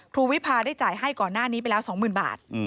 วิพาได้จ่ายให้ก่อนหน้านี้ไปแล้ว๒๐๐๐บาท